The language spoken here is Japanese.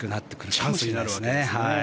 チャンスになるわけですね。